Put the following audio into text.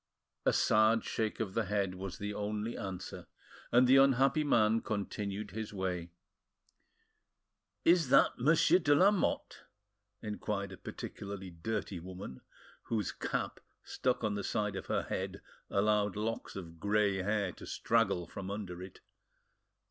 A sad shake of the head was the only answer, and the unhappy man continued his way. "Is that Monsieur de Lamotte?" inquired a particularly dirty woman, whose cap, stuck on the side of her, head, allowed locks of grey hair to straggle from under it.